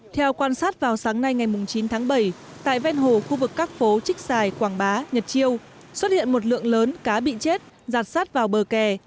theo quan sát vào sáng nay ngày chín tháng bảy tại ven hồ khu vực các phố trích xài quảng bá nhật chiêu xuất hiện một lượng lớn cá bị chết giạt sát vào bờ kè